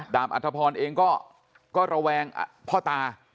ดาบอธพรณ์เองก็ระแวงพ่อตา